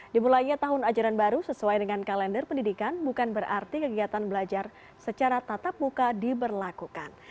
dimulainya tahun ajaran baru sesuai dengan kalender pendidikan bukan berarti kegiatan belajar secara tatap muka diberlakukan